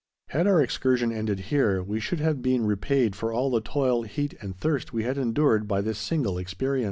Had our excursion ended here, we should have been repaid for all the toil, heat, and thirst we had endured, by this single experience.